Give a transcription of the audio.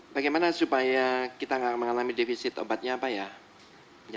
bagaimana supaya kita tidak mengalami defisit obatnya